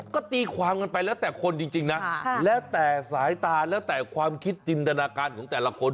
ก็ตีความกันไปแล้วแต่คนจริงนะแล้วแต่สายตาแล้วแต่ความคิดจินตนาการของแต่ละคน